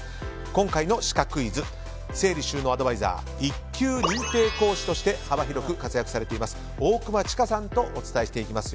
今回のシカクイズ整理収納アドバイザー１級認定講師として幅広く活躍されています大熊千賀さんとお伝えしていきます。